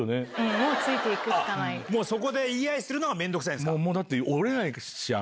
そこで言い合いするのが面倒くさいんすか。